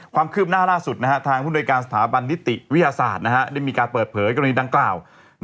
ความคืบหน้าล่าสุดทางผู้โดยการสถาบันนิติวิทยาศาสตร์ได้มีการเปิดเผยกรณีดังกล่าว